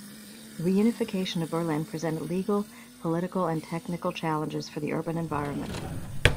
The reunification of Berlin presented legal, political and technical challenges for the urban environment.